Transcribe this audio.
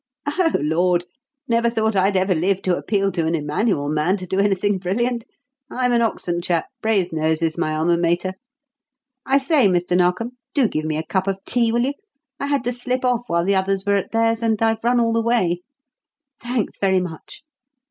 "Oh, Lord! Never thought I'd ever live to appeal to an Emmanuel man to do anything brilliant. I'm an Oxon chap; Brasenose is my alma mater. I say, Mr. Narkom, do give me a cup of tea, will you? I had to slip off while the others were at theirs, and I've run all the way. Thanks very much.